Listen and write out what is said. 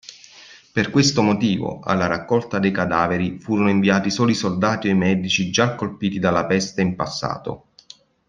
Per questo motivo, alla raccolta dei cadaveri furono inviati solo i soldati o i medici già colpiti dalla peste in passato.